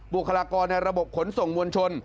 บวกฮารากรในระบบขนส่งมวลชน